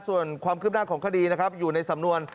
ส่วนความคืบหน้าของคดีนะครับอยู่ในสำนวน